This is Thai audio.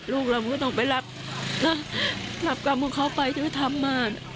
ลูกเรามึงก็ต้องไปรักรับกรรมของเขาไปที่เขาทำมา